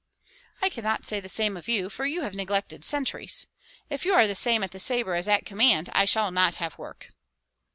"I cannot say the same of you, for you have neglected sentries. If you are the same at the sabre as at command, I shall not have work."